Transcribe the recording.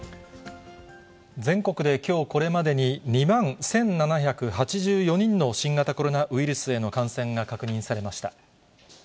全国できょうこれまでに、２万１７８４人の新型コロナウイルスへの感染が確認されました。